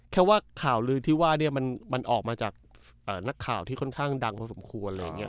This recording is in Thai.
แค่ว่าข่าวลื้อที่ว่าเนี่ยมันออกมาจากนักข่าวที่ค่อนข้างดังพอสมควร